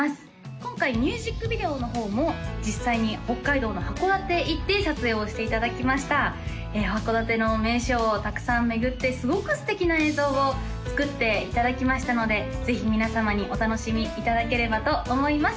今回ミュージックビデオの方も実際に北海道の函館へ行って撮影をしていただきました函館の名所をたくさん巡ってすごく素敵な映像を作っていただきましたのでぜひ皆様にお楽しみいただければと思います